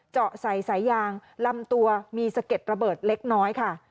เจาะใส่สายยางลำตัวมีสะเก็ดระเบิดเล็กน้อยค่ะ